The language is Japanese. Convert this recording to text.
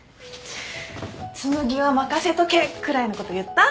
紬は任せとけくらいのこと言った？